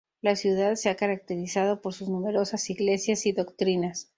La ciudad se ha caracterizado por sus numerosas iglesias y doctrinas.